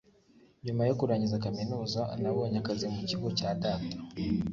nyuma yo kurangiza kaminuza, nabonye akazi mu kigo cya data